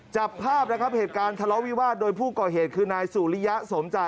จับภาพนะครับเหตุการณ์ทะเลาะวิวาสโดยผู้ก่อเหตุคือนายสุริยะสมจาก